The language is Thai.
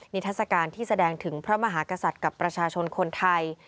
ทัศกาลที่แสดงถึงพระมหากษัตริย์กับประชาชนคนไทย